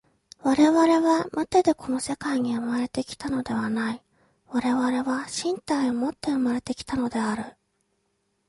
我々は無手でこの世界に生まれて来たのではない、我々は身体をもって生まれて来たのである。